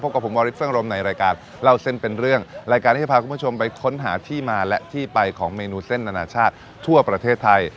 กับผมวาริสเฟิงรมในรายการเล่าเส้นเป็นเรื่องรายการที่จะพาคุณผู้ชมไปค้นหาที่มาและที่ไปของเมนูเส้นอนาชาติทั่วประเทศไทย